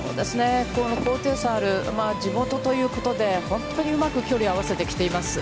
この高低差のある、地元ということで、本当にうまく距離を合わせてきています。